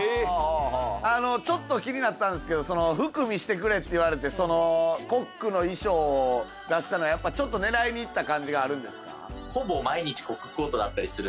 ちょっと気になったんすけど服見してくれって言われてコックの衣装を出したのはちょっと狙いにいった感じがあるんですか？